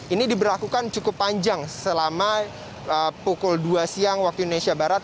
ini diberlakukan cukup panjang selama pukul dua siang waktu indonesia barat